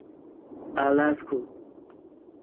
alasko